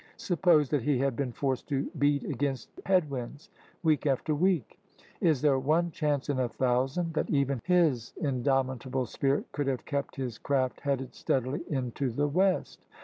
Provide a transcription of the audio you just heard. Suppose that he had been forced to beat against head winds week after week. Is there one chance in a thousand that even his indomitable spirit could have kept his craft headed steadily into the west.